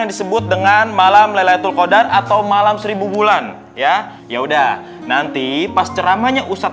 tersebut dengan malam laylatul kodar atau malam seribu bulan ya ya udah nanti pas ceramahnya usat